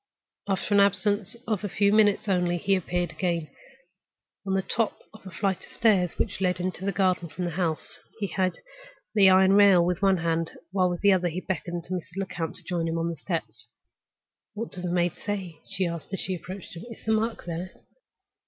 After an absence of a few minutes only he appeared again, on the top of the flight of steps which led into the garden from the house. He held by the iron rail with one hand, while with the other he beckoned to Mrs. Lecount to join him on the steps. "What does the maid say?" she asked, as she approached him. "Is the mark there?"